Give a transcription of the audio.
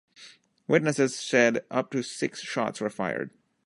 Witnesses said up to six shots were fired.